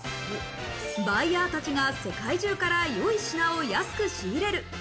バイヤーたちが世界中から良い品を安く仕入れる。